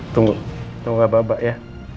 tunggu tunggu abak abak ya